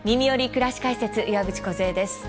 くらし解説」岩渕梢です。